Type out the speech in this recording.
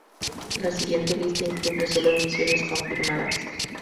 La siguiente lista incluye sólo misiones confirmadas.